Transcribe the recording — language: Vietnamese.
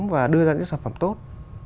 và đưa ra những sản phẩm tốt